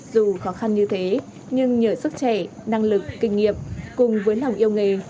dù khó khăn như thế nhưng nhờ sức trẻ năng lực kinh nghiệm cùng với lòng yêu nghề